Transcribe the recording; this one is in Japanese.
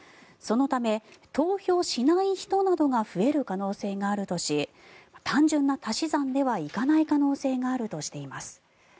そのため、投票しない人などが増える可能性があるとし単純な足し算ではいかない可能性があるとしています。